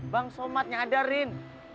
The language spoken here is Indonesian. bang somad nyadarin